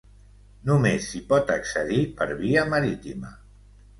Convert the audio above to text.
Només s'hi pot accedir per via marítima.